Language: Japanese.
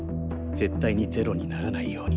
絶対に０にならないように。